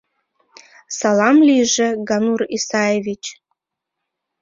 — Салам лийже, Ганур Исаевич.